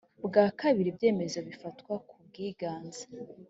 bwa kabiri ibyemezo bifatwa ku bwiganze